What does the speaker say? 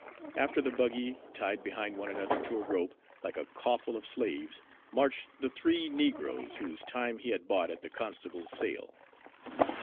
After the buggy, tied behind one another to a rope, like a coffle of slaves, marched the three Negroes whose time he had bought at the constable's sale.